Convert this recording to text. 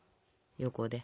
横で。